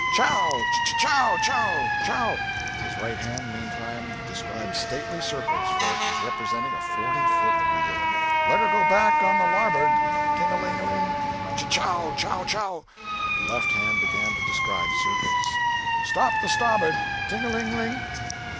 Chow! ch chow wow! Chow!" His right hand, mean time, describing stately circles—for it was representing a forty foot wheel. "Let her go back on the labboard! Ting a ling ling! Chow ch chow chow!" The left hand began to describe circles. "Stop the stabboard! Ting a ling ling!